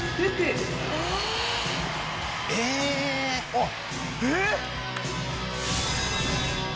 あっ。